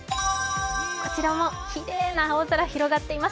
こちらもきれいな青空広がっています。